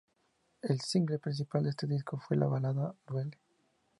El single principal de este disco fue la balada "Duele".